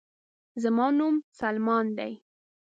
زما نوم سلمان دے